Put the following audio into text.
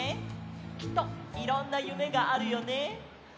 きっといろんなゆめがあるよね。